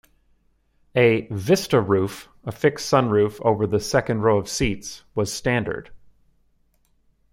A "Vista Roof", a fixed sunroof over the second row seats, was standard.